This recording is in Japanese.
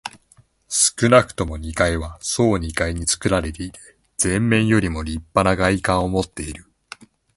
少なくとも二階は総二階につくられていて、前面よりもりっぱな外観をもっている。